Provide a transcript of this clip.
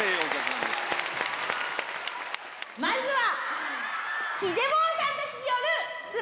まずは。